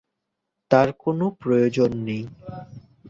তার কোনো প্রয়োজন নেই।